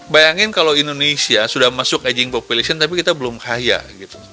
bayangin kalau indonesia sudah masuk aging population tapi kita belum kaya gitu